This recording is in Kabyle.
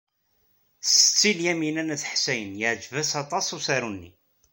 Setti Lyamina n At Ḥsayen yeɛjeb-as aṭas usaru-nni.